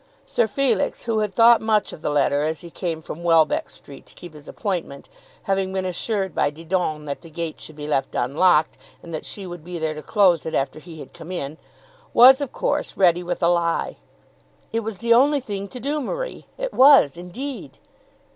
Sir Felix, who had thought much of the letter as he came from Welbeck Street to keep his appointment, having been assured by Didon that the gate should be left unlocked, and that she would be there to close it after he had come in, was of course ready with a lie. "It was the only thing to do, Marie; it was indeed."